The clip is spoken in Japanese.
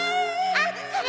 あっそれ！